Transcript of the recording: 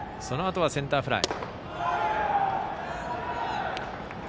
そのあとはセンターフライ。